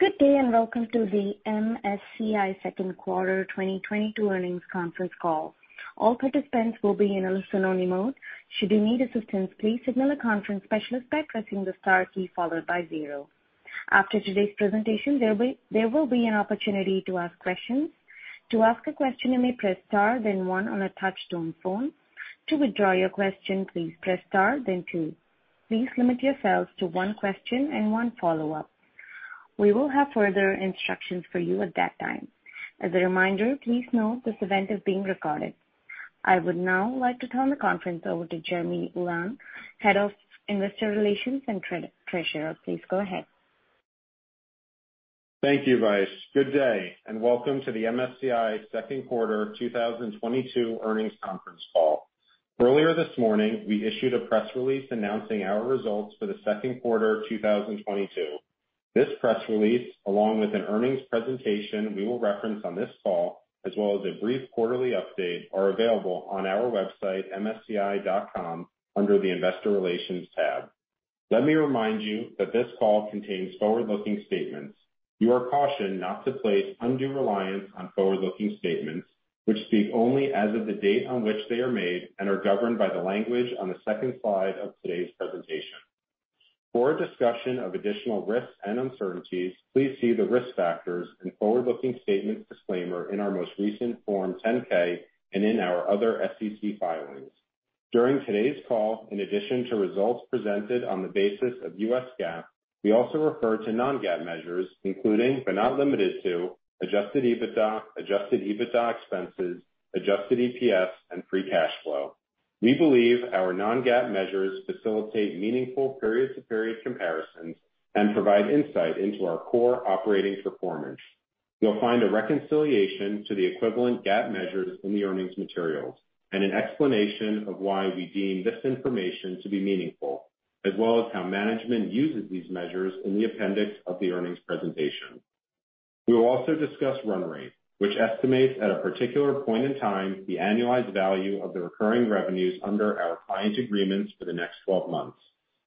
Good day, and welcome to the MSCI Second Quarter 2022 Earnings Conference Call. All participants will be in a listen-only mode. Should you need assistance, please signal a conference specialist by pressing the star key followed by zero. After today's presentation, there will be an opportunity to ask questions. To ask a question, you may press star then one on a touch-tone phone. To withdraw your question, please press star then two. Please limit yourselves to one question and one follow-up. We will have further instructions for you at that time. As a reminder, please note this event is being recorded. I would now like to turn the conference over to Jeremy Ulan, Head of Investor Relations and Treasurer. Please go ahead. Thank you, Vice. Good day, and welcome to the MSCI Second Quarter 2022 Earnings Conference Call. Earlier this morning, we issued a press release announcing our results for the second quarter 2022. This press release, along with an earnings presentation we will reference on this call, as well as a brief quarterly update, are available on our website, msci.com, under the Investor Relations tab. Let me remind you that this call contains forward-looking statements. You are cautioned not to place undue reliance on forward-looking statements which speak only as of the date on which they are made and are governed by the language on the second slide of today's presentation. For a discussion of additional risks and uncertainties, please see the Risk Factors and Forward-Looking Statements Disclaimer in our most recent Form 10-K and in our other SEC filings. During today's call, in addition to results presented on the basis of U.S. GAAP, we also refer to non-GAAP measures, including but not limited to adjusted EBITDA, adjusted EBITDA expenses, adjusted EPS, and free cash flow. We believe our non-GAAP measures facilitate meaningful period-to-period comparisons and provide insight into our core operating performance. You'll find a reconciliation to the equivalent GAAP measures in the earnings materials and an explanation of why we deem this information to be meaningful, as well as how management uses these measures in the appendix of the earnings presentation. We will also discuss run rate, which estimates at a particular point in time the annualized value of the recurring revenues under our client agreements for the next twelve months,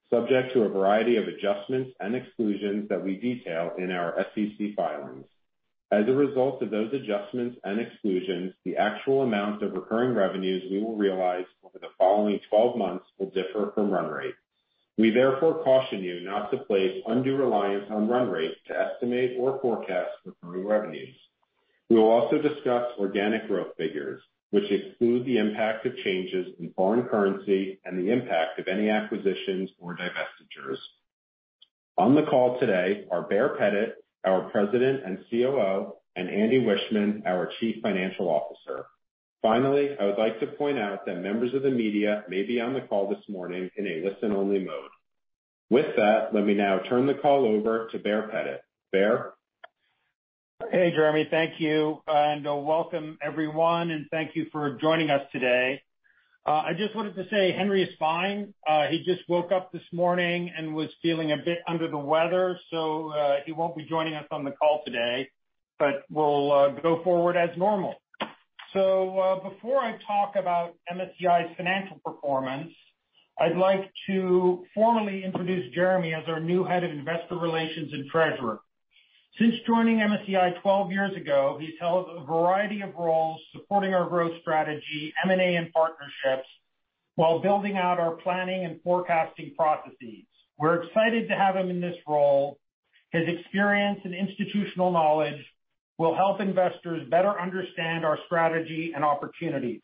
subject to a variety of adjustments and exclusions that we detail in our SEC filings. As a result of those adjustments and exclusions, the actual amount of recurring revenues we will realize over the following twelve months will differ from run rate. We therefore caution you not to place undue reliance on run rate to estimate or forecast recurring revenues. We will also discuss organic growth figures, which exclude the impact of changes in foreign currency and the impact of any acquisitions or divestitures. On the call today are Baer Pettit, our President and COO, and Andy Wiechmann, our Chief Financial Officer. Finally, I would like to point out that members of the media may be on the call this morning in a listen-only mode. With that, let me now turn the call over to Baer Pettit. Baer? Hey, Jeremy. Thank you and welcome everyone, and thank you for joining us today. I just wanted to say Henry is fine. He just woke up this morning and was feeling a bit under the weather, so he won't be joining us on the call today, but we'll go forward as normal. Before I talk about MSCI's financial performance, I'd like to formally introduce Jeremy as our new Head of Investor Relations and Treasurer. Since joining MSCI twelve years ago, he's held a variety of roles supporting our growth strategy, M&A and partnerships, while building out our planning and forecasting processes. We're excited to have him in this role. His experience and institutional knowledge will help investors better understand our strategy and opportunities.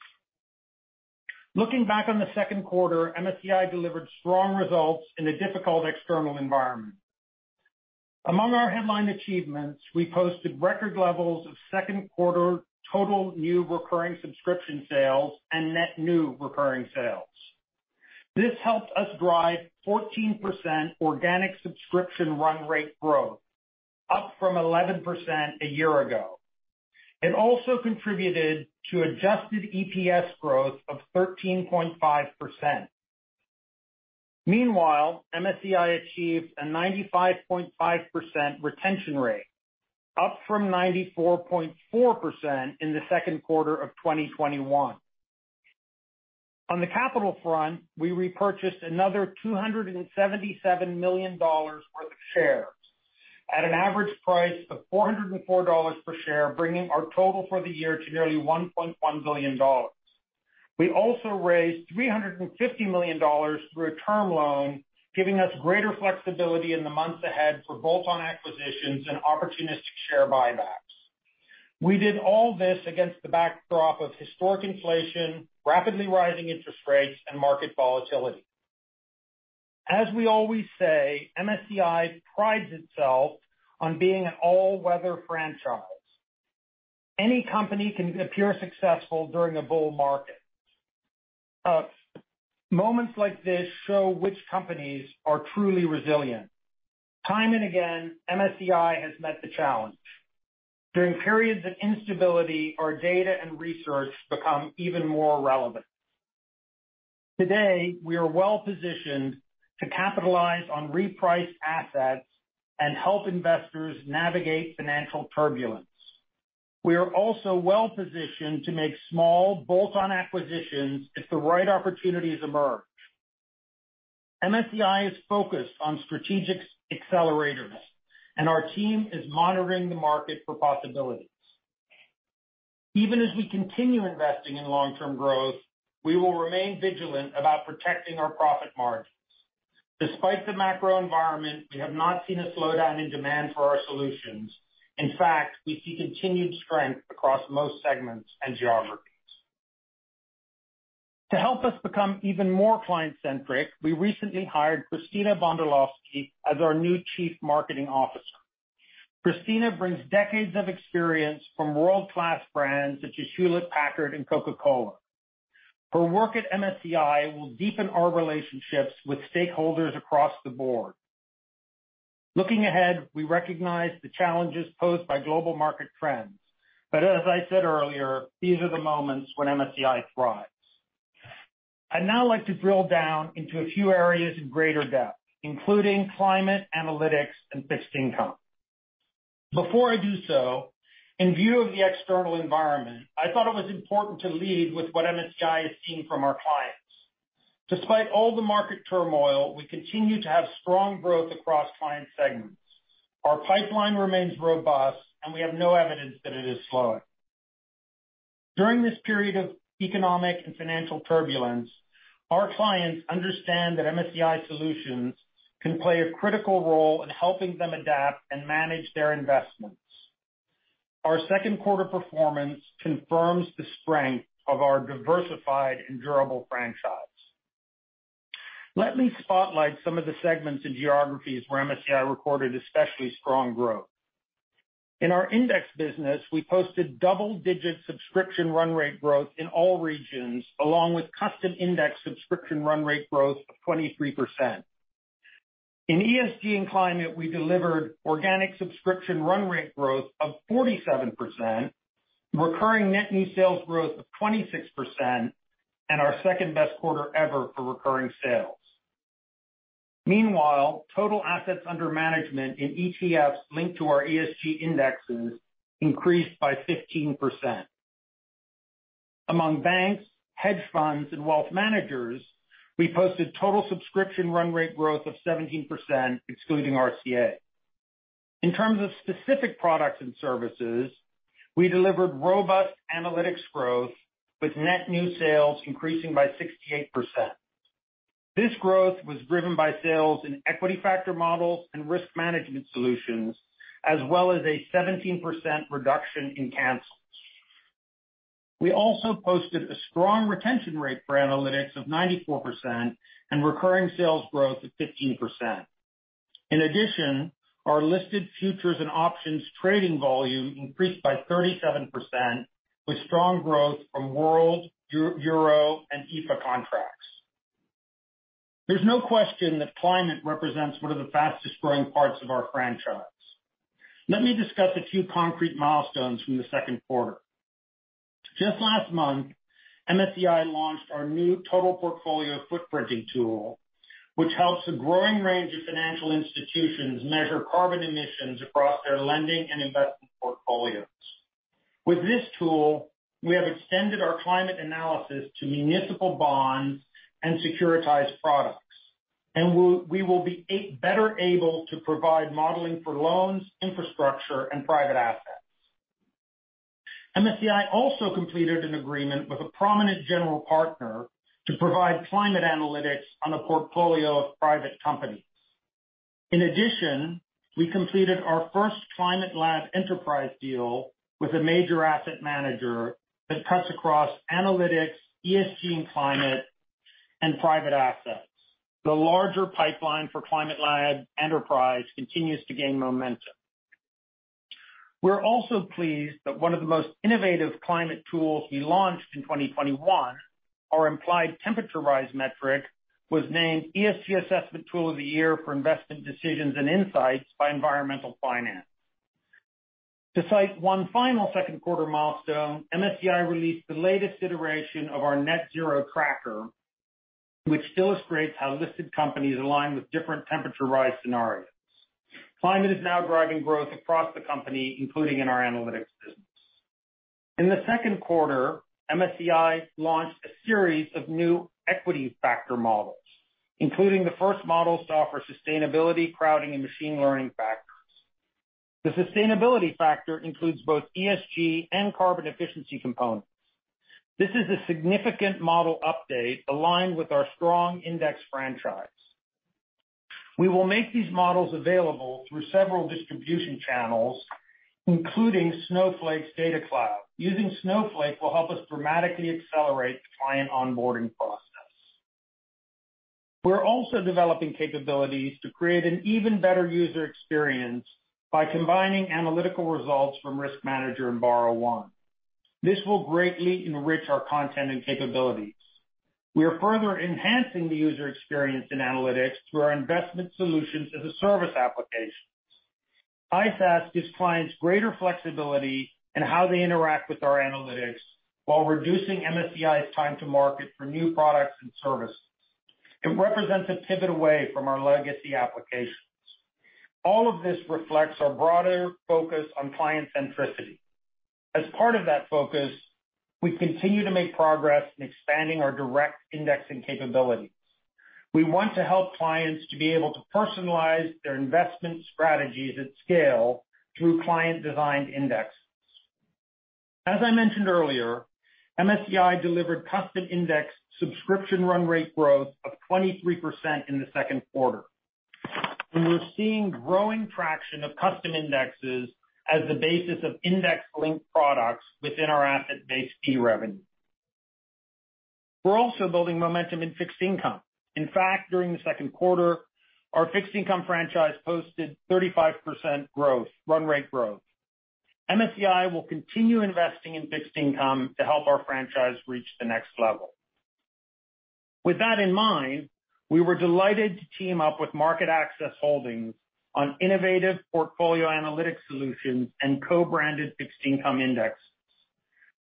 Looking back on the second quarter, MSCI delivered strong results in a difficult external environment. Among our headline achievements, we posted record levels of second quarter total new recurring subscription sales and net new recurring sales. This helped us drive 14% organic subscription run rate growth, up from 11% a year ago. It also contributed to adjusted EPS growth of 13.5%. Meanwhile, MSCI achieved a 95.5% retention rate, up from 94.4% in the second quarter of 2021. On the capital front, we repurchased another $277 million worth of shares at an average price of $404 per share, bringing our total for the year to nearly $1.1 billion. We also raised $350 million through a term loan, giving us greater flexibility in the months ahead for bolt-on acquisitions and opportunistic share buybacks. We did all this against the backdrop of historic inflation, rapidly rising interest rates, and market volatility. As we always say, MSCI prides itself on being an all-weather franchise. Any company can appear successful during a bull market. Moments like this show which companies are truly resilient. Time and again, MSCI has met the challenge. During periods of instability, our data and research become even more relevant. Today, we are well-positioned to capitalize on repriced assets and help investors navigate financial turbulence. We are also well positioned to make small bolt-on acquisitions if the right opportunities emerge. MSCI is focused on strategic accelerators, and our team is monitoring the market for possibilities. Even as we continue investing in long-term growth, we will remain vigilant about protecting our profit margins. Despite the macro environment, we have not seen a slowdown in demand for our solutions. In fact, we see continued strength across most segments and geographies. To help us become even more client-centric, we recently hired Cristina Bondar as our new Chief Marketing Officer.Cristina brings decades of experience from world-class brands such as Hewlett-Packard and Coca-Cola. Her work at MSCI will deepen our relationships with stakeholders across the board. Looking ahead, we recognize the challenges posed by global market trends. As I said earlier, these are the moments when MSCI thrives. I'd now like to drill down into a few areas in greater depth, including climate, analytics, and fixed income. Before I do so, in view of the external environment, I thought it was important to lead with what MSCI is seeing from our clients. Despite all the market turmoil, we continue to have strong growth across client segments. Our pipeline remains robust, and we have no evidence that it is slowing. During this period of economic and financial turbulence, our clients understand that MSCI solutions can play a critical role in helping them adapt and manage their investments. Our second quarter performance confirms the strength of our diversified and durable franchise. Let me spotlight some of the segments and geographies where MSCI recorded especially strong growth. In our index business, we posted double-digit subscription run rate growth in all regions, along with custom index subscription run rate growth of 23%. In ESG and climate, we delivered organic subscription run rate growth of 47%, recurring net new sales growth of 26%, and our second-best quarter ever for recurring sales. Meanwhile, total assets under management in ETFs linked to our ESG indexes increased by 15%. Among banks, hedge funds and wealth managers, we posted total subscription run rate growth of 17% excluding RCA. In terms of specific products and services, we delivered robust analytics growth with net new sales increasing by 68%. This growth was driven by sales in equity factor models and risk management solutions, as well as a 17% reduction in cancels. We also posted a strong retention rate for analytics of 94% and recurring sales growth of 15%. In addition, our listed futures and options trading volume increased by 37%, with strong growth from World, Euro, and EFA contracts. There's no question that climate represents one of the fastest-growing parts of our franchise. Let me discuss a few concrete milestones from the second quarter. Just last month, MSCI launched our new Total Portfolio Footprinting tool, which helps a growing range of financial institutions measure carbon emissions across their lending and investment portfolios. With this tool, we have extended our climate analysis to municipal bonds and securitized products, and we will be better able to provide modeling for loans, infrastructure, and private assets. MSCI also completed an agreement with a prominent general partner to provide climate analytics on a portfolio of private companies. In addition, we completed our first Climate Lab Enterprise deal with a major asset manager that cuts across analytics, ESG and climate, and private assets. The larger pipeline for Climate Lab Enterprise continues to gain momentum. We're also pleased that one of the most innovative climate tools we launched in 2021, our Implied Temperature Rise metric, was named ESG Assessment Tool of the Year for Investment Decisions and Insights by Environmental Finance. To cite one final second quarter milestone, MSCI released the latest iteration of our Net-Zero Tracker, which illustrates how listed companies align with different temperature rise scenarios. Climate is now driving growth across the company, including in our analytics business. In the second quarter, MSCI launched a series of new equity factor models, including the first models to offer sustainability, crowding, and machine learning factors. The sustainability factor includes both ESG and carbon efficiency components. This is a significant model update aligned with our strong index franchise. We will make these models available through several distribution channels, including Snowflake Data Cloud. Using Snowflake will help us dramatically accelerate the client onboarding process. We're also developing capabilities to create an even better user experience by combining analytical results from RiskManager and BarraOne. This will greatly enrich our content and capabilities. We are further enhancing the user experience in analytics through our Investment Solutions as a Service applications. ISAS gives clients greater flexibility in how they interact with our analytics while reducing MSCI's time to market for new products and services. It represents a pivot away from our legacy applications. All of this reflects our broader focus on client centricity. As part of that focus, we continue to make progress in expanding our direct indexing capabilities. We want to help clients to be able to personalize their investment strategies at scale through client-designed indexes. As I mentioned earlier, MSCI delivered custom index subscription run rate growth of 23% in the second quarter. We're seeing growing traction of custom indexes as the basis of index-linked products within our asset-based fee revenue. We're also building momentum in fixed income. In fact, during the second quarter, our fixed income franchise posted 35% growth, run rate growth. MSCI will continue investing in fixed income to help our franchise reach the next level. With that in mind, we were delighted to team up with MarketAxess Holdings on innovative portfolio analytics solutions and co-branded fixed income indexes.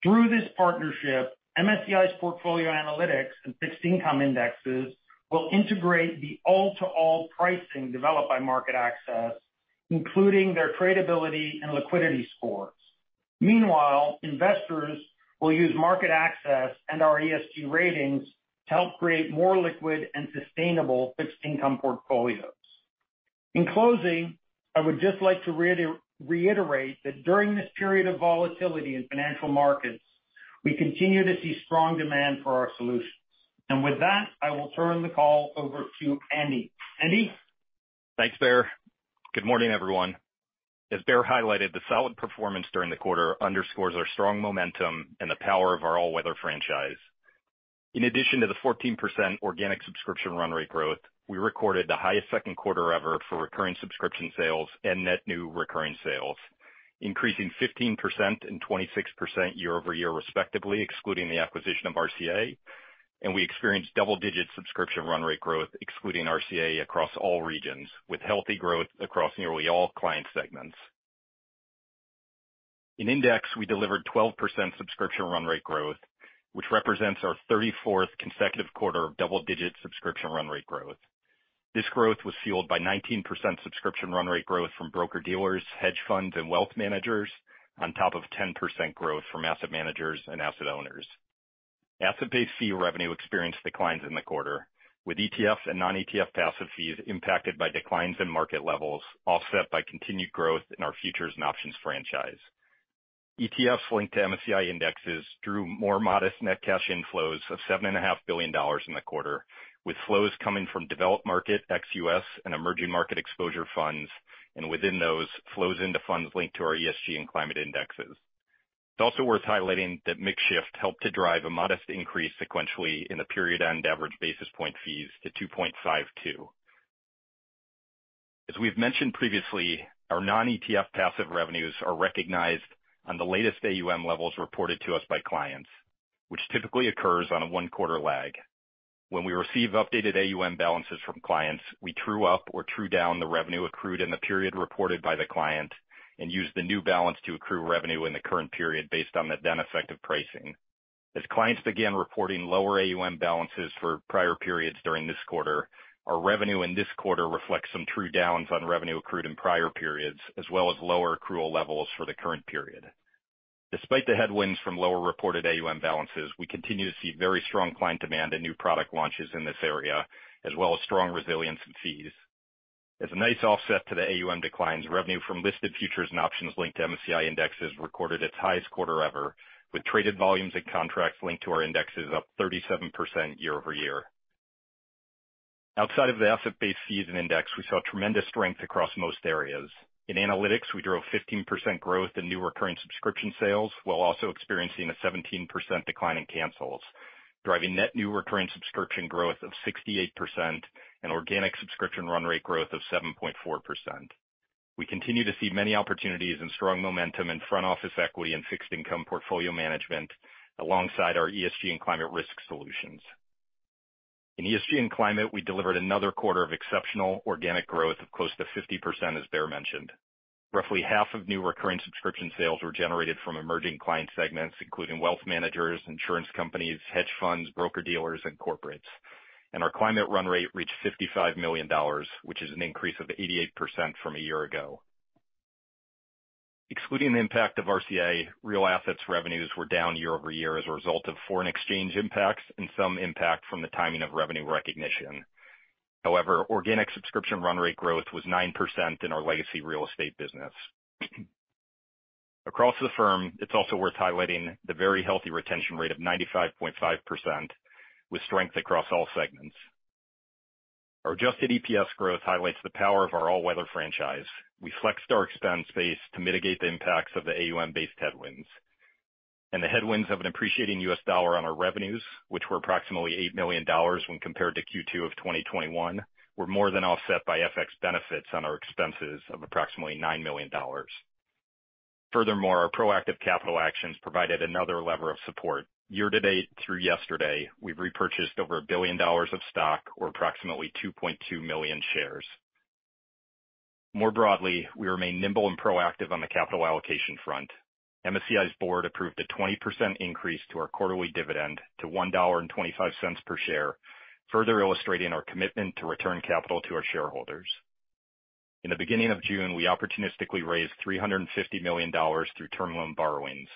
Through this partnership, MSCI's portfolio analytics and fixed income indexes will integrate the all-to-all pricing developed by MarketAxess, including their tradability and liquidity scores. Meanwhile, investors will use MarketAxess and our ESG ratings to help create more liquid and sustainable fixed income portfolios. In closing, I would just like to reiterate that during this period of volatility in financial markets, we continue to see strong demand for our solutions. With that, I will turn the call over to Andy. Andy? Thanks, Baer. Good morning, everyone. As Baer highlighted, the solid performance during the quarter underscores our strong momentum and the power of our all-weather franchise. In addition to the 14% organic subscription run rate growth, we recorded the highest second quarter ever for recurring subscription sales and net new recurring sales, increasing 15% and 26% year over year, respectively, excluding the acquisition of RCA, and we experienced double-digit subscription run rate growth excluding RCA across all regions, with healthy growth across nearly all client segments. In Index, we delivered 12% subscription run rate growth, which represents our 34th consecutive quarter of double-digit subscription run rate growth. This growth was fueled by 19% subscription run rate growth from broker-dealers, hedge funds, and wealth managers, on top of 10% growth from asset managers and asset owners. Asset-based fee revenue experienced declines in the quarter, with ETF and non-ETF passive fees impacted by declines in market levels, offset by continued growth in our futures and options franchise. ETFs linked to MSCI indexes drew more modest net cash inflows of $7.5 billion in the quarter, with flows coming from developed market ex-US and emerging market exposure funds, and within those, flows into funds linked to our ESG and climate indexes. It's also worth highlighting that mix shift helped to drive a modest increase sequentially in the period-end average basis point fees to 2.52. As we have mentioned previously, our non-ETF passive revenues are recognized on the latest AUM levels reported to us by clients, which typically occurs on a one-quarter lag. When we receive updated AUM balances from clients, we true up or true down the revenue accrued in the period reported by the client and use the new balance to accrue revenue in the current period based on the then effective pricing. As clients began reporting lower AUM balances for prior periods during this quarter, our revenue in this quarter reflects some true downs on revenue accrued in prior periods, as well as lower accrual levels for the current period. Despite the headwinds from lower reported AUM balances, we continue to see very strong client demand and new product launches in this area, as well as strong resilience in fees. As a nice offset to the AUM declines, revenue from listed futures and options linked to MSCI indexes recorded its highest quarter ever, with traded volumes and contracts linked to our indexes up 37% year-over-year. Outside of the asset-based fees and index, we saw tremendous strength across most areas. In analytics, we drove 15% growth in new recurring subscription sales, while also experiencing a 17% decline in cancels, driving net new recurring subscription growth of 68% and organic subscription run rate growth of 7.4%. We continue to see many opportunities and strong momentum in front office equity and fixed income portfolio management alongside our ESG and climate risk solutions. In ESG and climate, we delivered another quarter of exceptional organic growth of close to 50%, as Baer mentioned. Roughly half of new recurring subscription sales were generated from emerging client segments, including wealth managers, insurance companies, hedge funds, broker-dealers, and corporates. Our climate run rate reached $55 million, which is an increase of 88% from a year ago. Excluding the impact of RCA, real assets revenues were down year-over-year as a result of foreign exchange impacts and some impact from the timing of revenue recognition. However, organic subscription run rate growth was 9% in our legacy real estate business. Across the firm, it's also worth highlighting the very healthy retention rate of 95.5%, with strength across all segments. Our adjusted EPS growth highlights the power of our all-weather franchise. We flexed our expense base to mitigate the impacts of the AUM-based headwinds. The headwinds of an appreciating U.S. dollar on our revenues, which were approximately $8 million when compared to Q2 of 2021, were more than offset by FX benefits on our expenses of approximately $9 million. Furthermore, our proactive capital actions provided another lever of support. Year to date through yesterday, we've repurchased over $1 billion of stock or approximately 2.2 million shares. More broadly, we remain nimble and proactive on the capital allocation front. MSCI's board approved a 20% increase to our quarterly dividend to $1.25 per share, further illustrating our commitment to return capital to our shareholders. In the beginning of June, we opportunistically raised $350 million through term loan borrowings.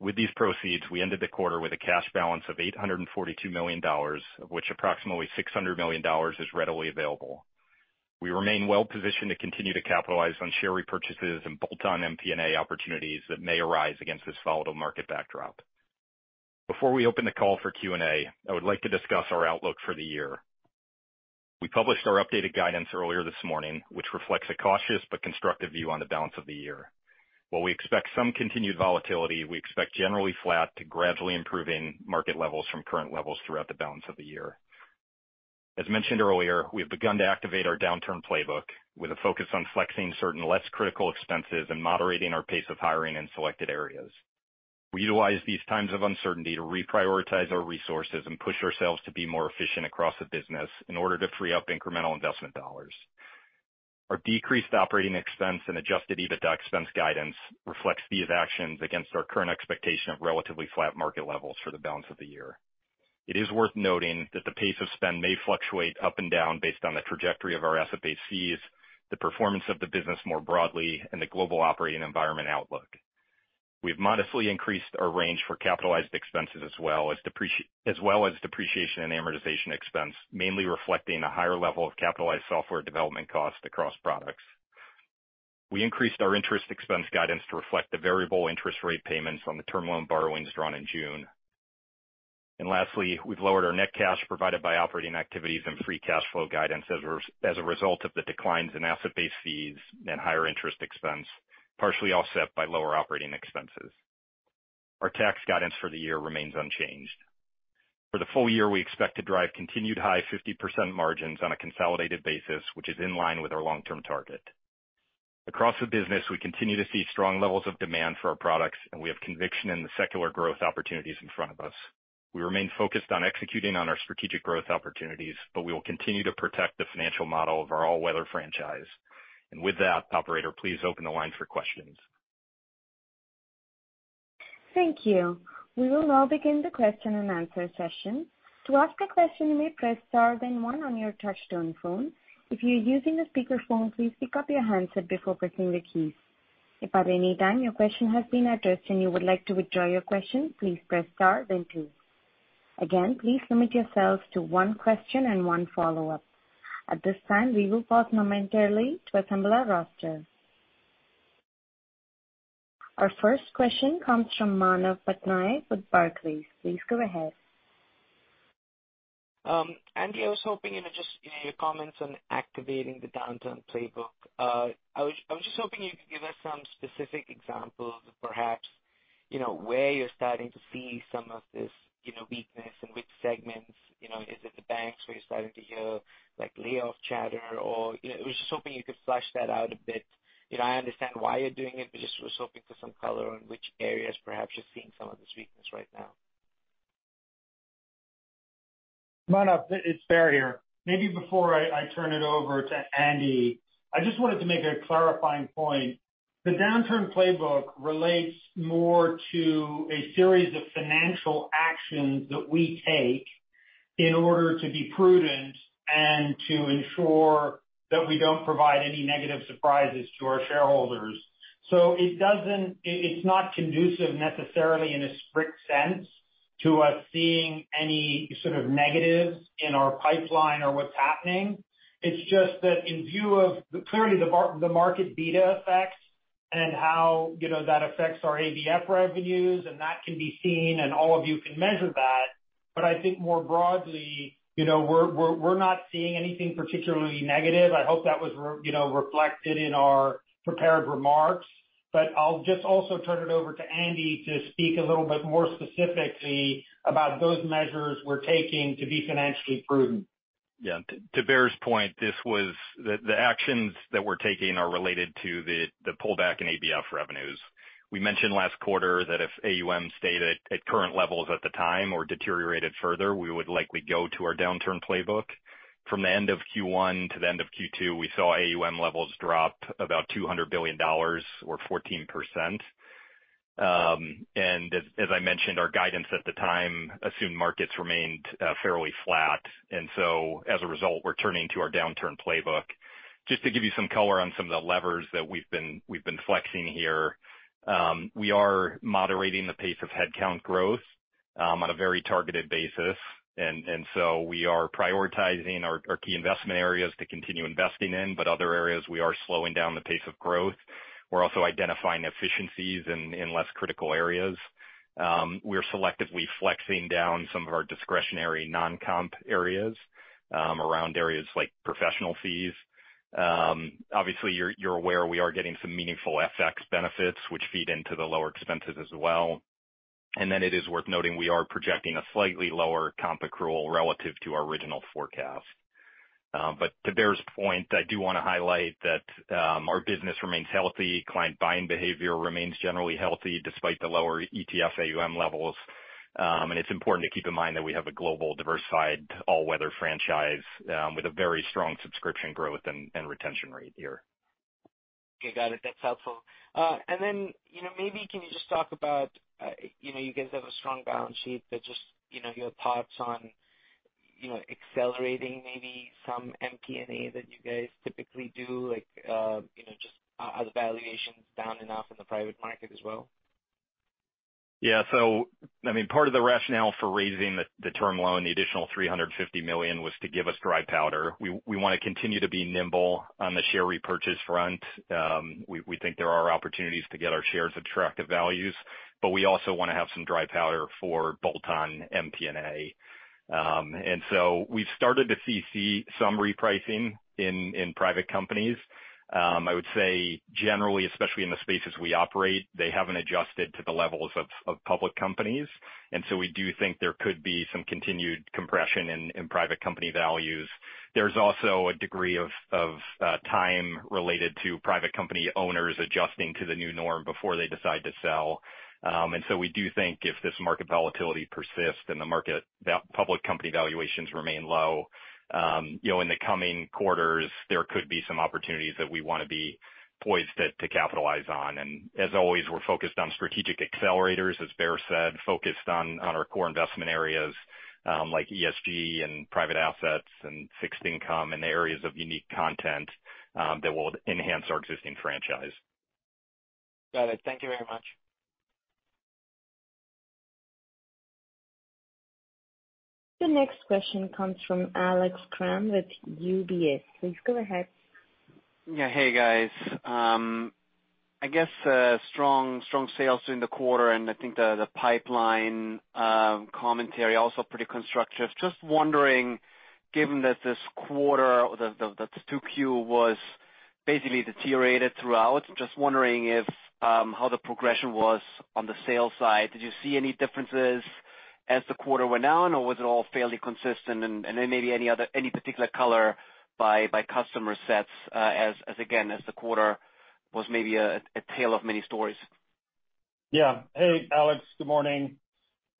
With these proceeds, we ended the quarter with a cash balance of $842 million, of which approximately $600 million is readily available. We remain well-positioned to continue to capitalize on share repurchases and bolt-on M&A opportunities that may arise against this volatile market backdrop. Before we open the call for Q&A, I would like to discuss our outlook for the year. We published our updated guidance earlier this morning, which reflects a cautious but constructive view on the balance of the year. While we expect some continued volatility, we expect generally flat to gradually improving market levels from current levels throughout the balance of the year. As mentioned earlier, we have begun to activate our downturn playbook with a focus on flexing certain less critical expenses and moderating our pace of hiring in selected areas. We utilize these times of uncertainty to reprioritize our resources and push ourselves to be more efficient across the business in order to free up incremental investment dollars. Our decreased operating expense and adjusted EBITDA expense guidance reflects these actions against our current expectation of relatively flat market levels for the balance of the year. It is worth noting that the pace of spend may fluctuate up and down based on the trajectory of our asset-based fees, the performance of the business more broadly, and the global operating environment outlook. We've modestly increased our range for capitalized expenses as well as depreciation and amortization expense, mainly reflecting a higher level of capitalized software development costs across products. We increased our interest expense guidance to reflect the variable interest rate payments on the term loan borrowings drawn in June. Lastly, we've lowered our net cash provided by operating activities and free cash flow guidance as a result of the declines in asset-based fees and higher interest expense, partially offset by lower operating expenses. Our tax guidance for the year remains unchanged. For the full year, we expect to drive continued high 50% margins on a consolidated basis, which is in line with our long-term target. Across the business, we continue to see strong levels of demand for our products, and we have conviction in the secular growth opportunities in front of us. We remain focused on executing on our strategic growth opportunities, but we will continue to protect the financial model of our all-weather franchise. With that, operator, please open the line for questions. Thank you. We will now begin the question-and-answer session. To ask a question, you may press star then one on your touchtone phone. If you're using a speakerphone, please pick up your handset before pressing the keys. If at any time your question has been addressed and you would like to withdraw your question, please press star then two. Again, please limit yourselves to one question and one follow-up. At this time, we will pause momentarily to assemble our roster. Our first question comes from Manav Patnaik with Barclays. Please go ahead. Andy, I was hoping, you know, just your comments on activating the downturn playbook. I was just hoping you could give us some specific examples of perhaps, you know, where you're starting to see some of this, you know, weakness and which segments, you know. Is it the banks where you're starting to hear, like, layoff chatter? Or, you know, I was just hoping you could flesh that out a bit. You know, I understand why you're doing it, but just was hoping for some color on which areas perhaps you're seeing some of this weakness right now. Manav, it's Baer here. Maybe before I turn it over to Andy, I just wanted to make a clarifying point. The downturn playbook relates more to a series of financial actions that we take in order to be prudent and to ensure that we don't provide any negative surprises to our shareholders. So it doesn't, it's not conducive necessarily in a strict sense to us seeing any sort of negatives in our pipeline or what's happening. It's just that in view of the clearly the market beta effects and how, you know, that affects our ABF revenues, and that can be seen and all of you can measure that. But I think more broadly, you know, we're not seeing anything particularly negative. I hope that was, you know, reflected in our prepared remarks. I'll just also turn it over to Andy to speak a little bit more specifically about those measures we're taking to be financially prudent. Yeah. To Baer's point, the actions that we're taking are related to the pullback in ABF revenues. We mentioned last quarter that if AUM stayed at current levels at the time or deteriorated further, we would likely go to our downturn playbook. From the end of Q1 to the end of Q2, we saw AUM levels drop about $200 billion or 14%. And as I mentioned, our guidance at the time assumed markets remained fairly flat. As a result, we're turning to our downturn playbook. Just to give you some color on some of the levers that we've been flexing here. We are moderating the pace of headcount growth on a very targeted basis. We are prioritizing our key investment areas to continue investing in, but other areas we are slowing down the pace of growth. We're also identifying efficiencies in less critical areas. We are selectively flexing down some of our discretionary non-comp areas around areas like professional fees. Obviously you're aware we are getting some meaningful FX benefits which feed into the lower expenses as well. Then it is worth noting we are projecting a slightly lower comp accrual relative to our original forecast. But to Baer's point, I do wanna highlight that our business remains healthy. Client buying behavior remains generally healthy despite the lower ETF AUM levels. It's important to keep in mind that we have a global diversified all-weather franchise with a very strong subscription growth and retention rate here. Okay, got it. That's helpful. You know, maybe can you just talk about, you know, you guys have a strong balance sheet, but just, you know, your thoughts on, you know, accelerating maybe some M&A that you guys typically do, like, you know, just are the valuations down enough in the private market as well? I mean, part of the rationale for raising the term loan, the additional $350 million, was to give us dry powder. We wanna continue to be nimble on the share repurchase front. We think there are opportunities to get our shares at attractive values, but we also wanna have some dry powder for bolt-on M&A. We've started to see some repricing in private companies. I would say generally, especially in the spaces we operate, they haven't adjusted to the levels of public companies. We do think there could be some continued compression in private company values. There's also a degree of time related to private company owners adjusting to the new norm before they decide to sell. We do think if this market volatility persists, then the public company valuations remain low. You know, in the coming quarters, there could be some opportunities that we wanna be poised to capitalize on. As always, we're focused on strategic accelerators, as Baer said, focused on our core investment areas, like ESG and private assets and fixed income and areas of unique content that will enhance our existing franchise. Got it. Thank you very much. The next question comes from Alex Kramm with UBS. Please go ahead. Yeah. Hey, guys. I guess strong sales during the quarter, and I think the pipeline commentary also pretty constructive. Just wondering, given that this quarter, the 2Q was basically deteriorated throughout, just wondering if how the progression was on the sales side. Did you see any differences as the quarter went on, or was it all fairly consistent? Then maybe any particular color by customer sets, as again as the quarter was maybe a tale of many stories. Yeah. Hey, Alex. Good morning.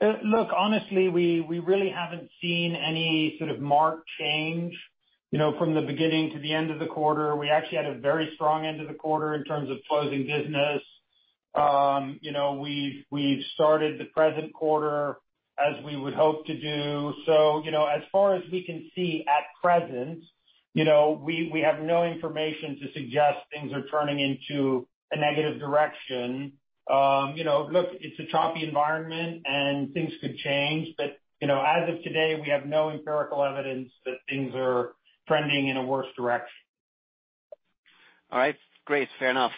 Look, honestly, we really haven't seen any sort of marked change, you know, from the beginning to the end of the quarter. We actually had a very strong end of the quarter in terms of closing business. You know, we've started the present quarter as we would hope to do. You know, as far as we can see at present, you know, we have no information to suggest things are turning into a negative direction. You know, look, it's a choppy environment and things could change, but, you know, as of today, we have no empirical evidence that things are trending in a worse direction. All right. Great. Fair enough.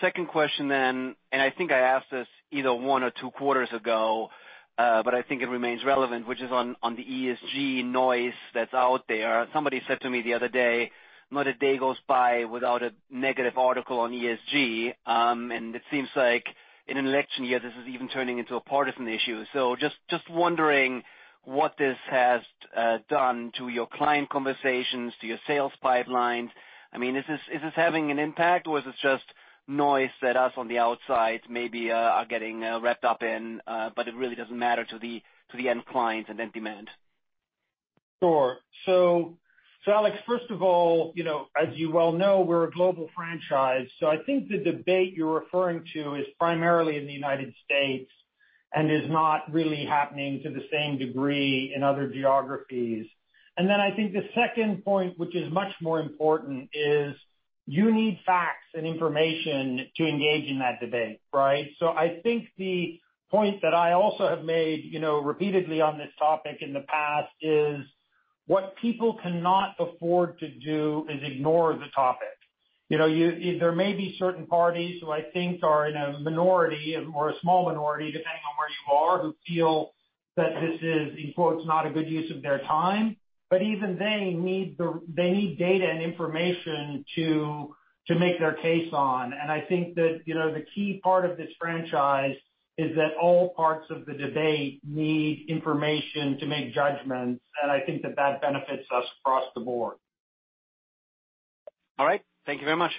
Second question, and I think I asked this either one or two quarters ago, but I think it remains relevant, which is on the ESG noise that's out there. Somebody said to me the other day, not a day goes by without a negative article on ESG. It seems like in an election year, this is even turning into a partisan issue. Just wondering what this has done to your client conversations, to your sales pipelines. I mean, is this having an impact or is this just noise that us on the outside maybe are getting wrapped up in, but it really doesn't matter to the end clients and end demand? Sure. Alex, first of all, you know, as you well know, we're a global franchise, so I think the debate you're referring to is primarily in the United States and is not really happening to the same degree in other geographies. I think the second point, which is much more important, is you need facts and information to engage in that debate, right? I think the point that I also have made, you know, repeatedly on this topic in the past is what people cannot afford to do is ignore the topic. You know, there may be certain parties who I think are in a minority or a small minority, depending on where you are, who feel that this is, in quotes, "not a good use of their time." Even they need the. They need data and information to make their case on. I think that, you know, the key part of this franchise is that all parts of the debate need information to make judgments, and I think that that benefits us across the board. All right. Thank you very much.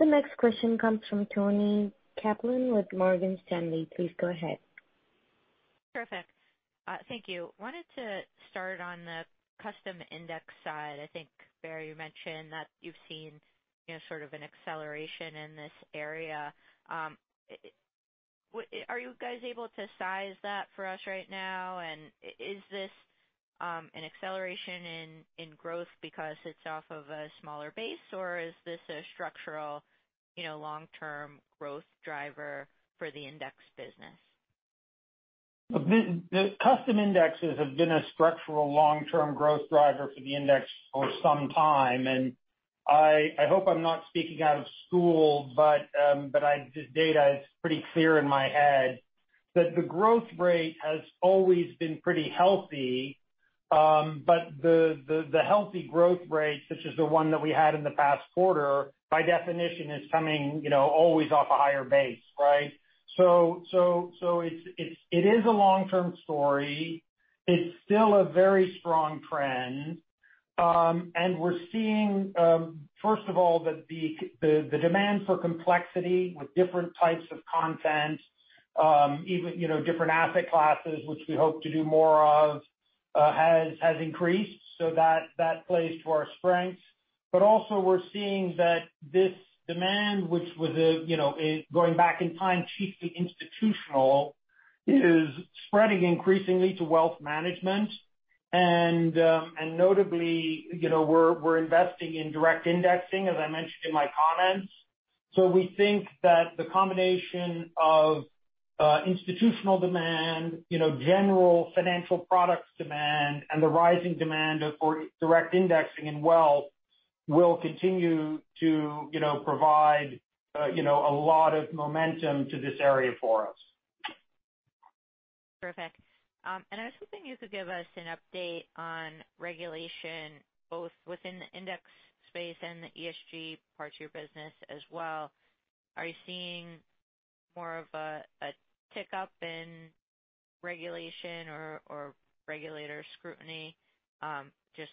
The next question comes from Toni Kaplan with Morgan Stanley. Please go ahead. Perfect. Thank you. Wanted to start on the custom index side. I think, Baer, you mentioned that you've seen, you know, sort of an acceleration in this area. Are you guys able to size that for us right now? Is this an acceleration in growth because it's off of a smaller base, or is this a structural, you know, long-term growth driver for the index business? The custom indexes have been a structural long-term growth driver for the index for some time, and I hope I'm not speaking out of school, but the data is pretty clear in my head that the growth rate has always been pretty healthy. The healthy growth rate, such as the one that we had in the past quarter, by definition, is coming, you know, always off a higher base, right? It is a long-term story. It's still a very strong trend. We're seeing, first of all, that the demand for complexity with different types of content, even, you know, different asset classes, which we hope to do more of, has increased, so that plays to our strengths. Also we're seeing that this demand, which you know is going back in time, chiefly institutional, is spreading increasingly to wealth management. notably, you know, we're investing in direct indexing, as I mentioned in my comments. we think that the combination of institutional demand, you know, general financial products demand, and the rising demand for direct indexing in wealth will continue to, you know, provide a lot of momentum to this area for us. Perfect. I was hoping you could give us an update on regulation, both within the index space and the ESG part of your business as well. Are you seeing more of a tick-up in regulation or regulator scrutiny? Just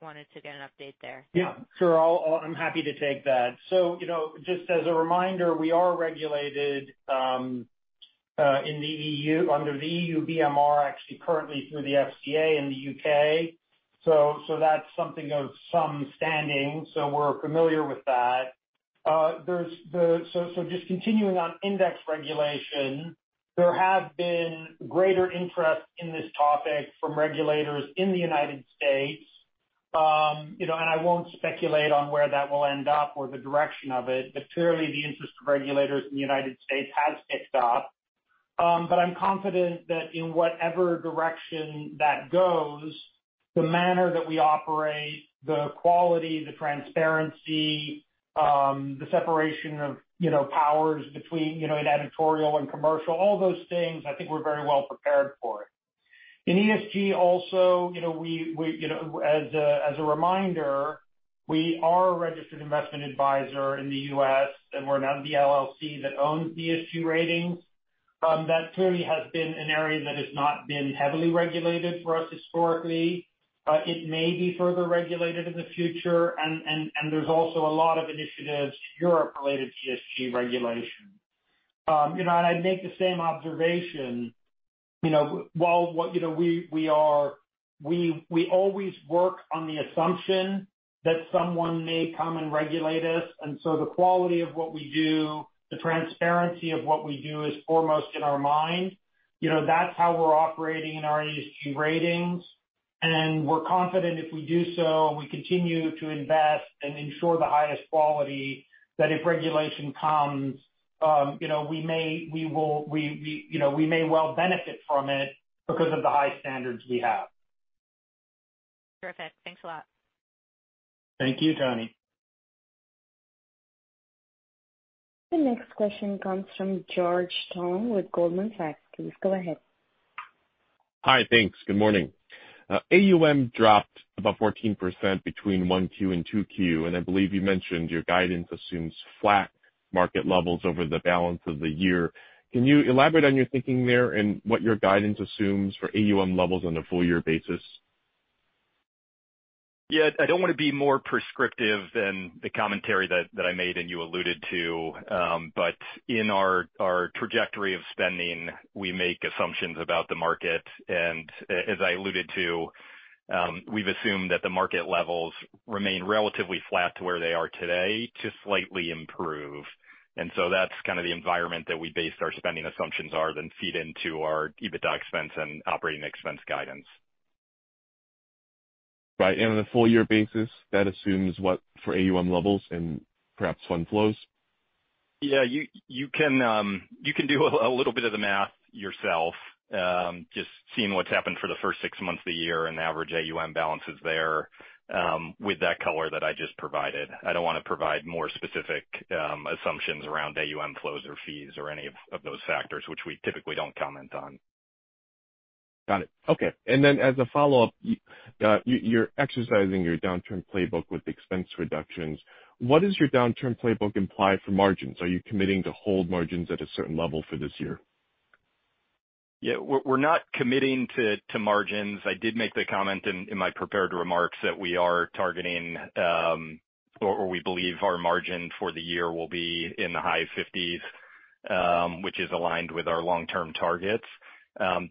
wanted to get an update there. Yeah, sure. I'm happy to take that. You know, just as a reminder, we are regulated in the E.U., under the E.U. BMR, actually currently through the F.C.A. in the U.K. That's something of some standing, so we're familiar with that. Just continuing on index regulation, there have been greater interest in this topic from regulators in the United States. You know, I won't speculate on where that will end up or the direction of it, but clearly the interest of regulators in the United States has picked up. I'm confident that in whatever direction that goes, the manner that we operate, the quality, the transparency, the separation of, you know, powers between, you know, in editorial and commercial, all those things, I think we're very well prepared for it. In ESG also, as a reminder, we are a registered investment advisor in the U.S., and we're not the LLC that owns the ESG ratings. That clearly has been an area that has not been heavily regulated for us historically. It may be further regulated in the future and there's also a lot of initiatives in Europe related to ESG regulation. I'd make the same observation. We always work on the assumption that someone may come and regulate us, so the quality of what we do, the transparency of what we do is foremost in our mind. That's how we're operating in our ESG ratings. We're confident if we do so, and we continue to invest and ensure the highest quality, that if regulation comes, you know, we may well benefit from it because of the high standards we have. Terrific. Thanks a lot. Thank you, Toni. The next question comes from George Tong with Goldman Sachs. Please go ahead. Hi. Thanks. Good morning. AUM dropped about 14% between 1Q and 2Q, and I believe you mentioned your guidance assumes flat market levels over the balance of the year. Can you elaborate on your thinking there and what your guidance assumes for AUM levels on a full year basis? Yeah. I don't want to be more prescriptive than the commentary that I made and you alluded to. In our trajectory of spending, we make assumptions about the market. As I alluded to, we've assumed that the market levels remain relatively flat to where they are today, to slightly improve. That's kind of the environment that we based our spending assumptions are, then feed into our EBITDA expense and operating expense guidance. Right. On a full year basis, that assumes what for AUM levels and perhaps fund flows? Yeah, you can do a little bit of the math yourself, just seeing what's happened for the first six months of the year and the average AUM balances there, with that color that I just provided. I don't wanna provide more specific assumptions around AUM flows or fees or any of those factors which we typically don't comment on. Got it. Okay. As a follow-up, you're exercising your downturn playbook with expense reductions. What does your downturn playbook imply for margins? Are you committing to hold margins at a certain level for this year? Yeah. We're not committing to margins. I did make the comment in my prepared remarks that we are targeting or we believe our margin for the year will be in the high 50s%, which is aligned with our long-term targets.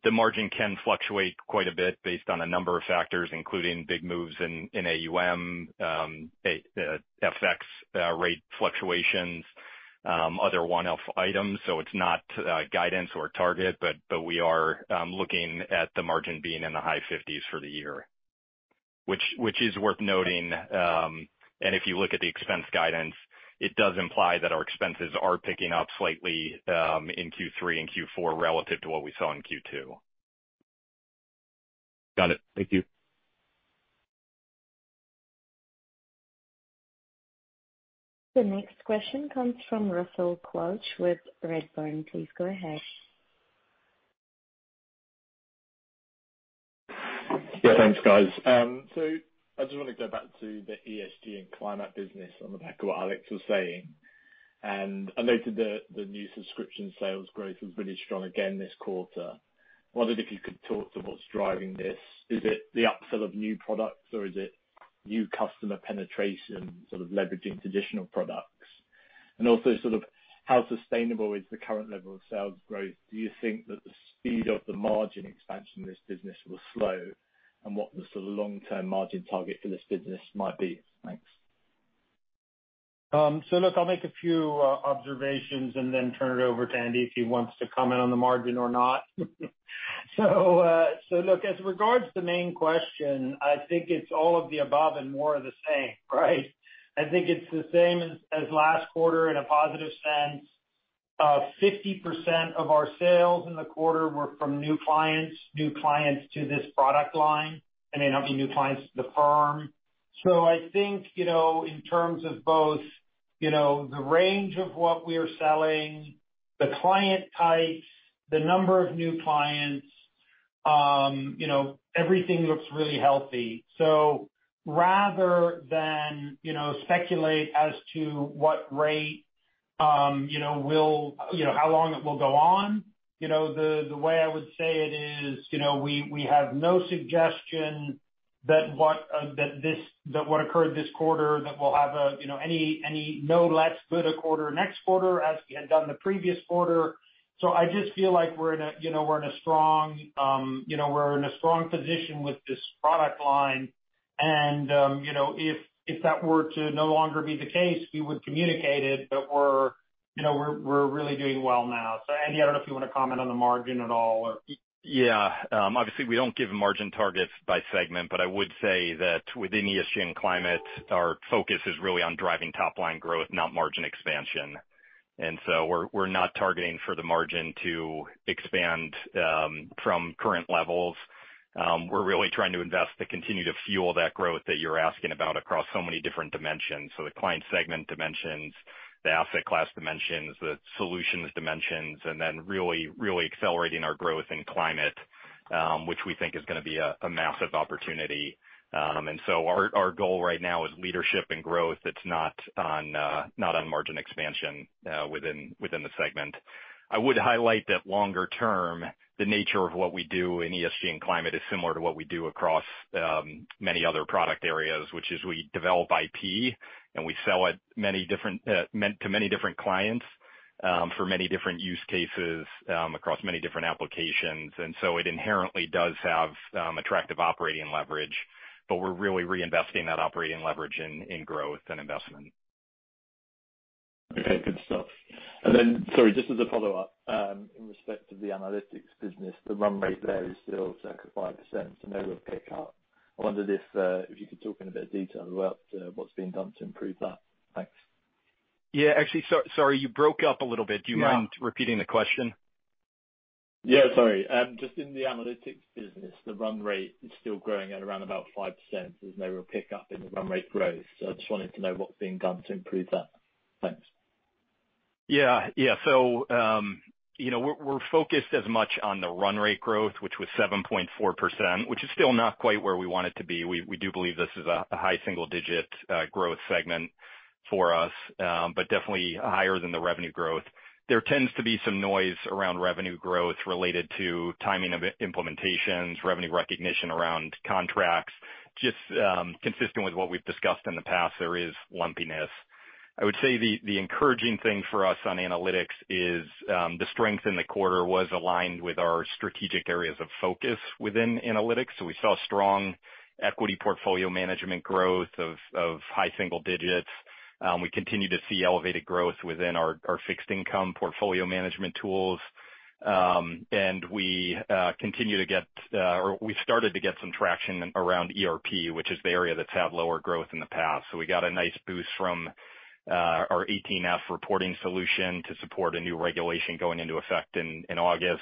The margin can fluctuate quite a bit based on a number of factors, including big moves in AUM, FX rate fluctuations, other one-off items. It's not guidance or target, but we are looking at the margin being in the high 50s% for the year. Which is worth noting, and if you look at the expense guidance, it does imply that our expenses are picking up slightly in Q3 and Q4 relative to what we saw in Q2. Got it. Thank you. The next question comes from Russell Quelch with Redburn. Please go ahead. Yeah. Thanks, guys. I just wanna go back to the ESG and climate business on the back of what Alex was saying. I noted the new subscription sales growth was really strong again this quarter. Wondered if you could talk to what's driving this. Is it the upsell of new products or is it new customer penetration sort of leveraging traditional products? Sort of how sustainable is the current level of sales growth? Do you think that the speed of the margin expansion of this business will slow? What the sort of long-term margin target for this business might be? Thanks. Look, I'll make a few observations and then turn it over to Andy if he wants to comment on the margin or not. Look, as regards the main question, I think it's all of the above and more of the same, right? I think it's the same as last quarter in a positive sense. 50% of our sales in the quarter were from new clients to this product line, and they're now being new clients to the firm. I think, you know, in terms of both, you know, the range of what we're selling, the client types, the number of new clients, you know, everything looks really healthy. Rather than, you know, speculate as to what rate, you know, will. You know, how long it will go on, you know, the way I would say it is, you know, we have no suggestion that what occurred this quarter, that we'll have any no less good a quarter next quarter as we had done the previous quarter. I just feel like we're in a strong, you know, position with this product line. You know, if that were to no longer be the case, we would communicate it. We're, you know, really doing well now. Andy, I don't know if you wanna comment on the margin at all or. Yeah. Obviously we don't give margin targets by segment, but I would say that within ESG and climate, our focus is really on driving top line growth, not margin expansion. We're not targeting for the margin to expand from current levels. We're really trying to invest to continue to fuel that growth that you're asking about across so many different dimensions. The client segment dimensions, the asset class dimensions, the solutions dimensions, and then really accelerating our growth in climate, which we think is gonna be a massive opportunity. Our goal right now is leadership and growth. It's not on margin expansion within the segment. I would highlight that longer term, the nature of what we do in ESG and climate is similar to what we do across many other product areas, which is we develop IP, and we sell it to many different clients for many different use cases across many different applications. It inherently does have attractive operating leverage, but we're really reinvesting that operating leverage in growth and investment. Okay, good stuff. Sorry, just as a follow-up, in respect to the analytics business, the run rate there is still circa 5%, so no real pick up. I wonder if you could talk in a bit of detail about what's being done to improve that. Thanks. Yeah, actually, sorry, you broke up a little bit. Yeah. Do you mind repeating the question? Yeah, sorry. Just in the analytics business, the run rate is still growing at around about 5%. There's no real pick up in the run rate growth. I just wanted to know what's being done to improve that. Thanks. Yeah. Yeah. You know, we're focused as much on the run rate growth, which was 7.4%, which is still not quite where we want it to be. We do believe this is a high single digit growth segment for us, but definitely higher than the revenue growth. There tends to be some noise around revenue growth related to timing of implementations, revenue recognition around contracts. Just consistent with what we've discussed in the past, there is lumpiness. I would say the encouraging thing for us on analytics is, the strength in the quarter was aligned with our strategic areas of focus within analytics. We saw strong equity portfolio management growth of high single digits. We continue to see elevated growth within our fixed income portfolio management tools. We started to get some traction around ERP, which is the area that's had lower growth in the past. We got a nice boost from our 18f-4 reporting solution to support a new regulation going into effect in August.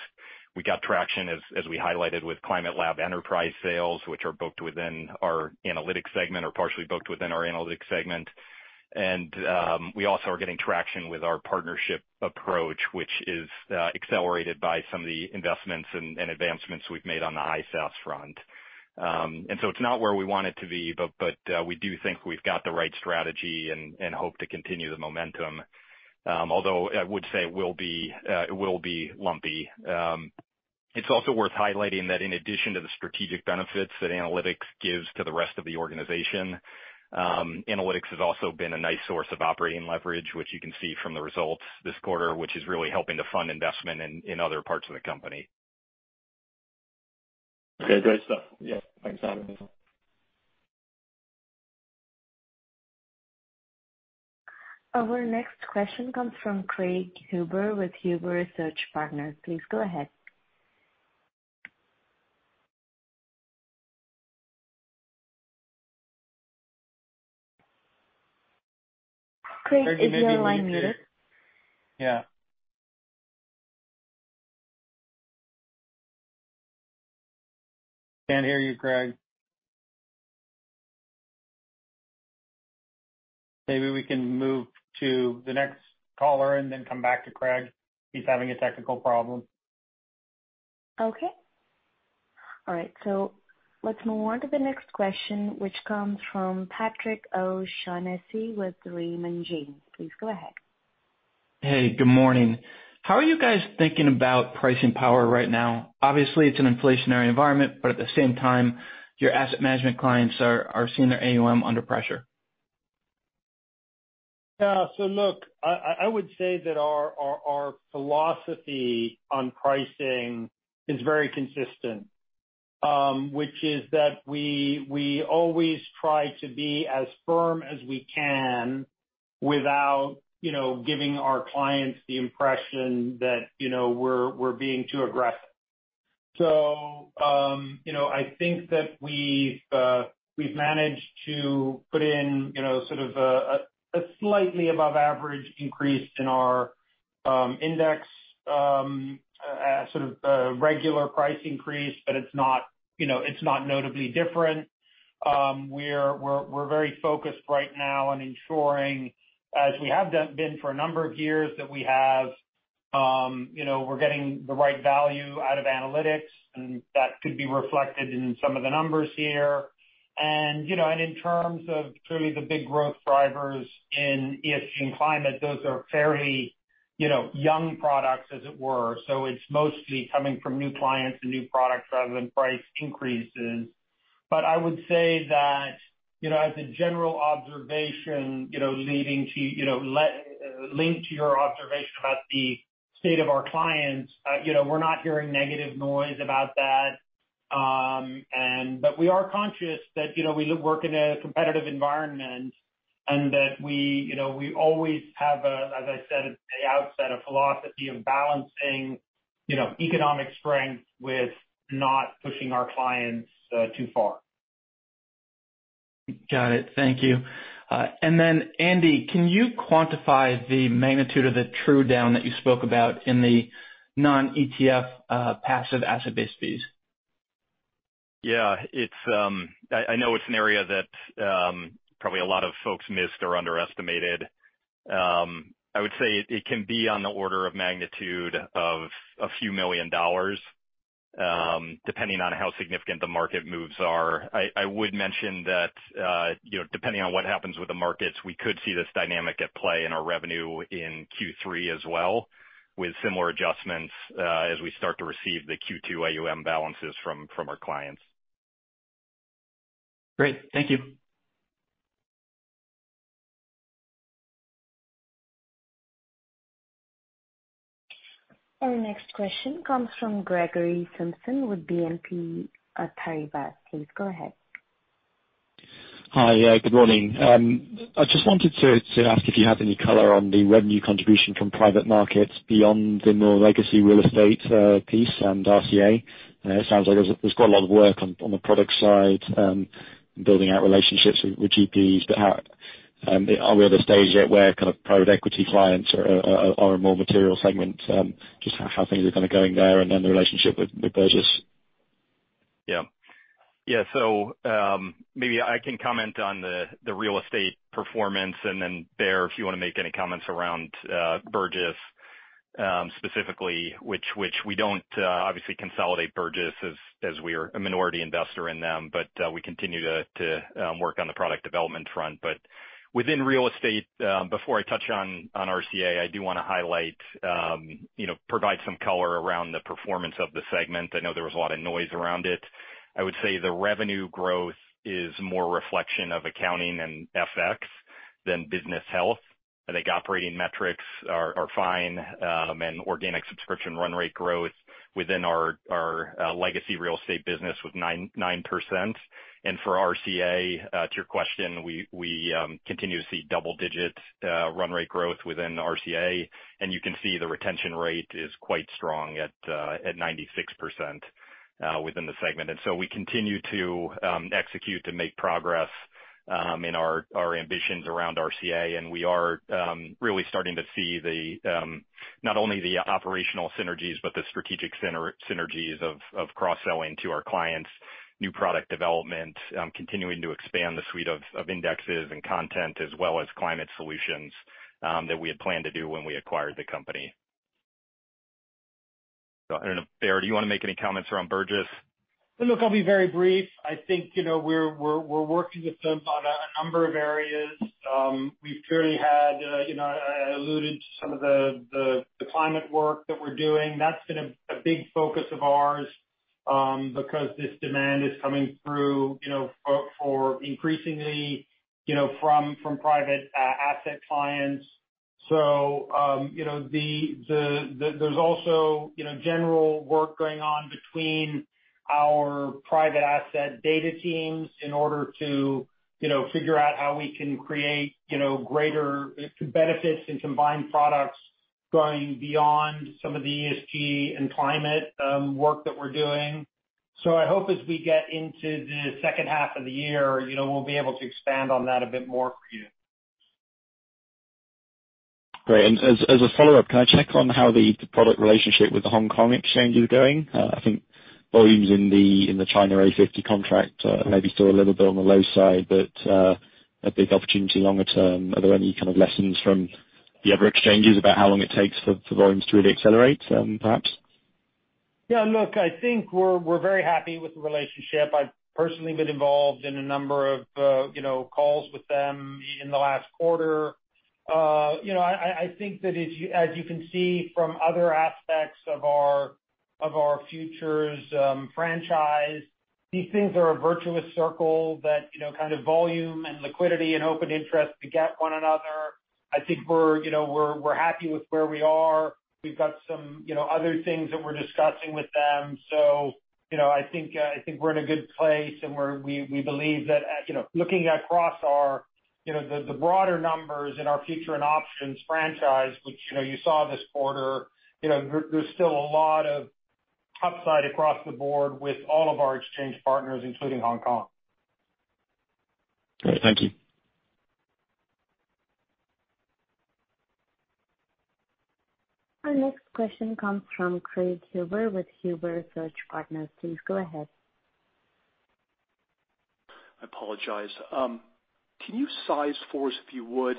We got traction as we highlighted with Climate Lab Enterprise sales, which are booked within our analytics segment or partially booked within our analytics segment. We also are getting traction with our partnership approach, which is accelerated by some of the investments and advancements we've made on the ISAS front. It's not where we want it to be, but we do think we've got the right strategy and hope to continue the momentum. Although I would say it will be lumpy. It's also worth highlighting that in addition to the strategic benefits that analytics gives to the rest of the organization, analytics has also been a nice source of operating leverage, which you can see from the results this quarter, which is really helping to fund investment in other parts of the company. Okay, great stuff. Yeah. Thanks, Andy. Our next question comes from Craig Huber with Huber Research Partners. Please go ahead. Craig, is your line muted? Yeah. Can't hear you, Craig. Maybe we can move to the next caller and then come back to Craig. He's having a technical problem. Okay. All right, let's move on to the next question, which comes from Patrick O'Shaughnessy with Raymond James. Please go ahead. Hey, good morning. How are you guys thinking about pricing power right now? Obviously, it's an inflationary environment, but at the same time, your asset management clients are seeing their AUM under pressure. Yeah. Look, I would say that our philosophy on pricing is very consistent, which is that we always try to be as firm as we can without, you know, giving our clients the impression that, you know, we're being too aggressive. You know, I think that we've managed to put in, you know, sort of a slightly above average increase in our index sort of regular price increase, but it's not, you know, it's not notably different. We're very focused right now on ensuring, as we have been for a number of years, that we have, you know, we're getting the right value out of analytics, and that could be reflected in some of the numbers here. You know, in terms of clearly the big growth drivers in ESG and climate, those are very, you know, young products, as it were. It's mostly coming from new clients and new products rather than price increases. I would say that, you know, as a general observation, you know, leading to, you know, linked to your observation about the state of our clients, you know, we're not hearing negative noise about that. We are conscious that, you know, we work in a competitive environment and that we, you know, we always have a, as I said at the outset, a philosophy of balancing, you know, economic strength with not pushing our clients too far. Got it. Thank you. Andy, can you quantify the magnitude of the slowdown that you spoke about in the non-ETF passive asset-based fees? Yeah. I know it's an area that probably a lot of folks missed or underestimated. I would say it can be on the order of magnitude of $a few million, depending on how significant the market moves are. I would mention that, you know, depending on what happens with the markets, we could see this dynamic at play in our revenue in Q3 as well, with similar adjustments, as we start to receive the Q2 AUM balances from our clients. Great. Thank you. Our next question comes from Gregory Simpson with BNP Paribas. Please go ahead. Hi. Yeah, good morning. I just wanted to ask if you have any color on the revenue contribution from private markets beyond the more legacy real estate piece and RCA. It sounds like there's quite a lot of work on the product side building out relationships with GPs. How are we at a stage yet where kind of private equity clients are a more material segment? Just how things are kind of going there and then the relationship with Burgiss. Yeah. Yeah. Maybe I can comment on the real estate performance and then Baer, if you wanna make any comments around Burgiss, specifically, which we don't obviously consolidate Burgiss as we are a minority investor in them, but we continue to work on the product development front. Within real estate, before I touch on RCA, I do wanna highlight, you know, provide some color around the performance of the segment. I know there was a lot of noise around it. I would say the revenue growth is more reflection of accounting and FX than business health. I think operating metrics are fine, and organic subscription run rate growth within our legacy real estate business was 9%. For RCA, to your question, we continue to see double digits run rate growth within RCA, and you can see the retention rate is quite strong at 96% within the segment. We continue to execute to make progress in our ambitions around RCA. We are really starting to see the not only the operational synergies but the strategic synergies of cross-selling to our clients, new product development, continuing to expand the suite of indexes and content, as well as climate solutions, that we had planned to do when we acquired the company. I don't know, Baer, do you wanna make any comments around Burgiss? Look, I'll be very brief. I think, you know, we're working with them on a number of areas. We've clearly had, you know, alluded to some of the climate work that we're doing. That's been a big focus of ours, because this demand is coming through, you know, for increasingly, you know, from private asset clients. You know, there's also, you know, general work going on between our private asset data teams in order to, you know, figure out how we can create, you know, greater benefits and combine products going beyond some of the ESG and climate work that we're doing. I hope as we get into the second half of the year, you know, we'll be able to expand on that a bit more for you. Great. As a follow-up, can I check on how the product relationship with the Hong Kong Exchange is going? I think volumes in the China A50 contract are maybe still a little bit on the low side, but a big opportunity longer term. Are there any kind of lessons from the other exchanges about how long it takes for volumes to really accelerate, perhaps? Yeah, look, I think we're very happy with the relationship. I've personally been involved in a number of, you know, calls with them in the last quarter. You know, I think that as you can see from other aspects of our futures franchise, these things are a virtuous circle that, you know, kind of volume and liquidity and open interest beget one another. I think we're, you know, we're happy with where we are. We've got some, you know, other things that we're discussing with them. I think we're in a good place, and we believe that, you know, looking across our you know the broader numbers in our future and options franchise, which, you know, you saw this quarter, you know, there's still a lot of upside across the board with all of our exchange partners, including Hong Kong. Great. Thank you. Our next question comes from Craig Huber with Huber Research Partners. Please go ahead. I apologize. Can you size for us, if you would,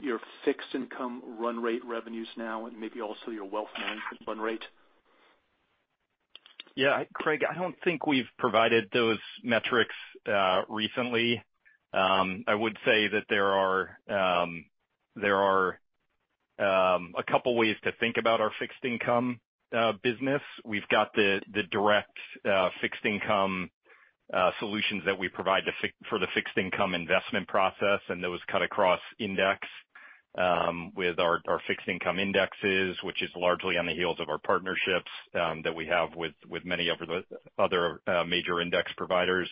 your fixed income run rate revenues now, and maybe also your wealth management run rate? Yeah, Craig, I don't think we've provided those metrics recently. I would say that there are a couple ways to think about our fixed income business. We've got the direct fixed income solutions that we provide for the fixed income investment process, and those cut across index with our fixed income indexes, which is largely on the heels of our partnerships that we have with many of the other major index providers,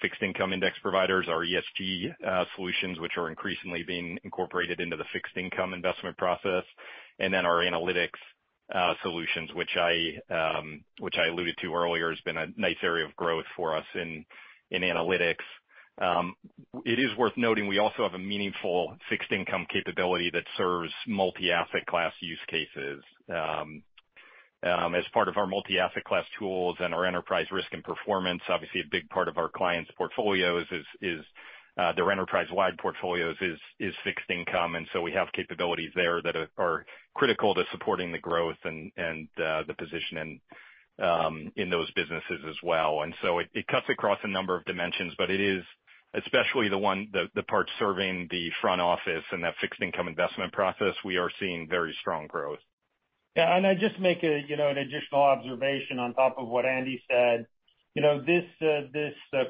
fixed income index providers, our ESG solutions, which are increasingly being incorporated into the fixed income investment process. Our analytics solutions, which I alluded to earlier, has been a nice area of growth for us in analytics. It is worth noting, we also have a meaningful fixed income capability that serves multi-asset class use cases. As part of our multi-asset class tools and our enterprise risk and performance, obviously a big part of our clients' portfolios is their enterprise-wide portfolios is fixed income, and so we have capabilities there that are critical to supporting the growth and the positioning in those businesses as well. It cuts across a number of dimensions, but it is especially the one, the parts serving the front office and that fixed income investment process. We are seeing very strong growth. I'd just make an additional observation on top of what Andy said. You know, this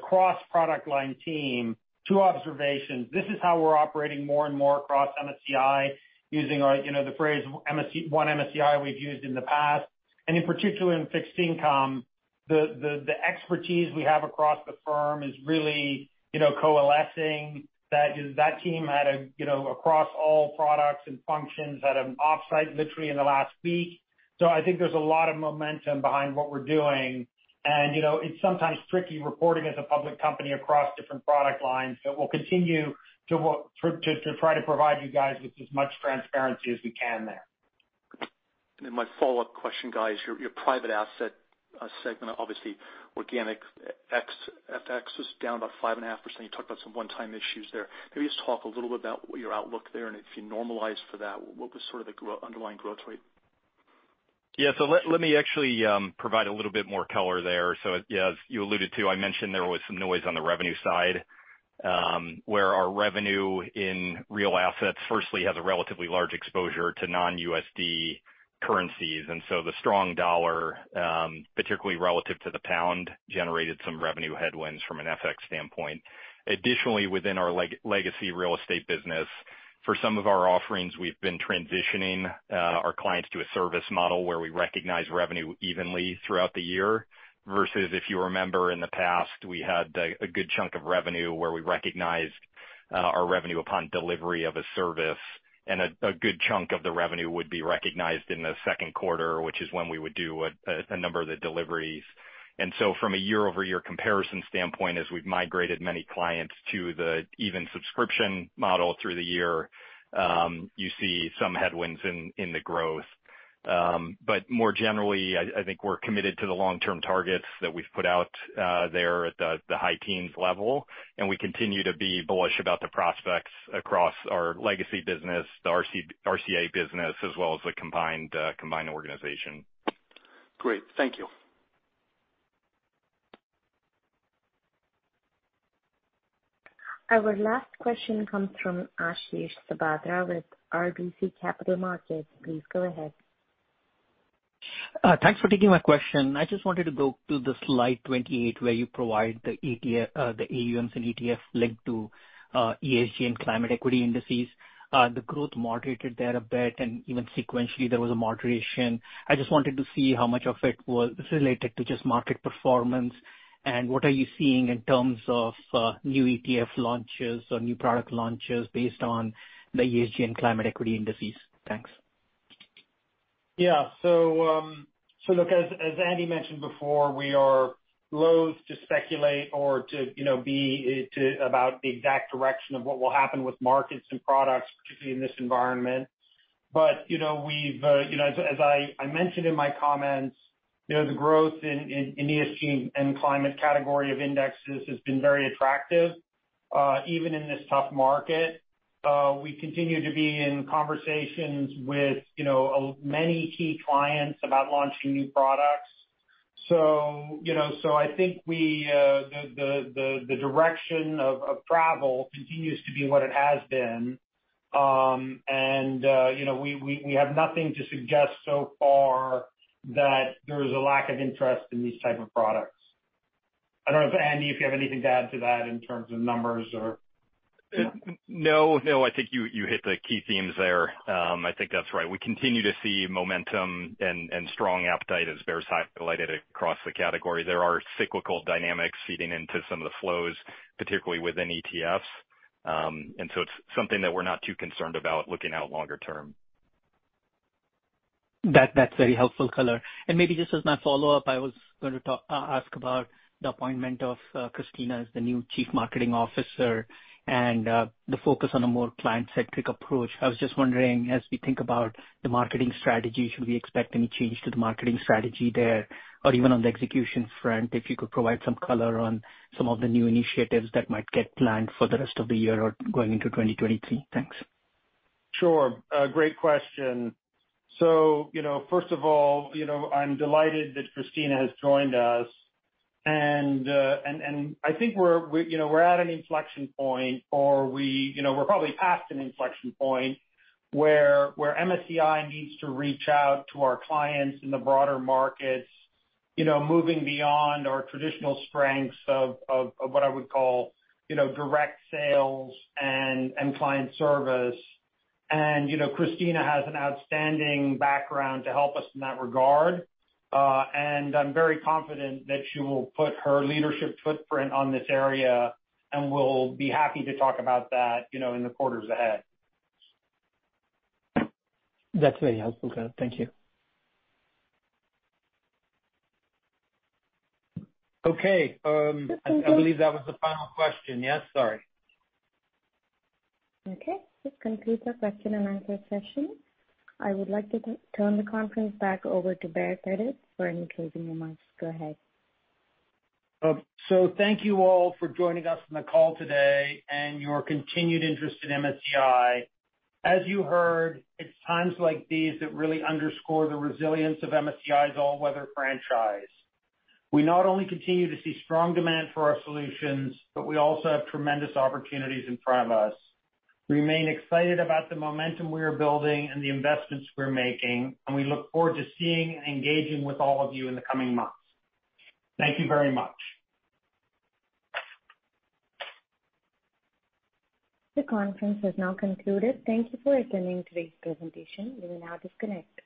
cross-product line team, two observations. This is how we're operating more and more across MSCI using the phrase MSCI-one MSCI we've used in the past. In particular in fixed income, the expertise we have across the firm is really coalescing. That team across all products and functions had an offsite literally in the last week. I think there's a lot of momentum behind what we're doing. It's sometimes tricky reporting as a public company across different product lines, but we'll continue to try to provide you guys with as much transparency as we can there. My follow-up question, guys, your private asset segment, obviously organic ex-FX was down about 5.5%. You talked about some one-time issues there. Maybe just talk a little bit about your outlook there, and if you normalize for that, what was sort of the underlying growth rate? Yeah. Let me actually provide a little bit more color there. As you alluded to, I mentioned there was some noise on the revenue side, where our revenue in real assets firstly has a relatively large exposure to non-USD currencies. The strong dollar, particularly relative to the pound, generated some revenue headwinds from an FX standpoint. Additionally, within our legacy real estate business, for some of our offerings, we've been transitioning our clients to a service model where we recognize revenue evenly throughout the year versus if you remember in the past, we had a good chunk of revenue where we recognized our revenue upon delivery of a service, and a good chunk of the revenue would be recognized in the second quarter, which is when we would do a number of the deliveries. From a year-over-year comparison standpoint, as we've migrated many clients to the evergreen subscription model through the year, you see some headwinds in the growth. But more generally, I think we're committed to the long-term targets that we've put out there at the high teens level, and we continue to be bullish about the prospects across our legacy business, the RCA business, as well as the combined organization. Great. Thank you. Our last question comes from Ashish Sabadra with RBC Capital Markets. Please go ahead. Thanks for taking my question. I just wanted to go to the slide twenty eight where you provide the AUMs and ETF linked to ESG and climate equity indices. The growth moderated there a bit, and even sequentially there was a moderation. I just wanted to see how much of it was related to just market performance, and what are you seeing in terms of new ETF launches or new product launches based on the ESG and climate equity indices? Thanks. Look, as Andy mentioned before, we are loath to speculate or to, you know, be about the exact direction of what will happen with markets and products, particularly in this environment. You know, we've, you know, as I mentioned in my comments, you know, the growth in ESG and climate category of indexes has been very attractive. Even in this tough market, we continue to be in conversations with, you know, many key clients about launching new products. You know, I think we, the direction of travel continues to be what it has been. You know, we have nothing to suggest so far that there's a lack of interest in these type of products. I don't know if, Andy, you have anything to add to that in terms of numbers or- No, no, I think you hit the key themes there. I think that's right. We continue to see momentum and strong appetite, as Baer highlighted, across the category. There are cyclical dynamics feeding into some of the flows, particularly within ETFs. It's something that we're not too concerned about looking out longer term. That's very helpful color. Maybe just as my follow-up, I was going to ask about the appointment of Christina as the new Chief Marketing Officer and the focus on a more client-centric approach. I was just wondering, as we think about the marketing strategy, should we expect any change to the marketing strategy there? Or even on the execution front, if you could provide some color on some of the new initiatives that might get planned for the rest of the year or going into 2023. Thanks. Sure. A great question. You know, first of all, you know, I'm delighted that Christina has joined us. I think we're, we, you know, we're at an inflection point or we, you know, we're probably past an inflection point where MSCI needs to reach out to our clients in the broader markets, you know, moving beyond our traditional strengths of what I would call, you know, direct sales and client service. You know, Christina has an outstanding background to help us in that regard. I'm very confident that she will put her leadership footprint on this area, and we'll be happy to talk about that, you know, in the quarters ahead. That's very helpful, Baer. Thank you. Okay, I believe that was the final question. Yes? Sorry. Okay. This concludes our question-and-answer session. I would like to turn the conference back over to Baer Pettit for any closing remarks. Go ahead. Thank you all for joining us on the call today and your continued interest in MSCI. As you heard, it's times like these that really underscore the resilience of MSCI's all-weather franchise. We not only continue to see strong demand for our solutions, but we also have tremendous opportunities in front of us. We remain excited about the momentum we are building and the investments we're making, and we look forward to seeing and engaging with all of you in the coming months. Thank you very much. The conference has now concluded. Thank you for attending today's presentation. You may now disconnect.